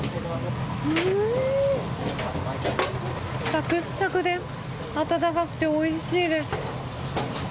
サクサクで温かくておいしいです。